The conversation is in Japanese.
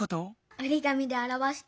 おりがみであらわすと。